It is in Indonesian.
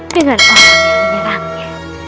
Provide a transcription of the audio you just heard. dengan orang yang menyerangnya